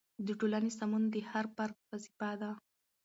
د ټولنې سمون د هر فرد وظیفه ده.